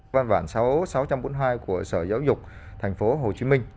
văn bản sáu sáu trăm bốn mươi hai của sở giáo dục tp hcm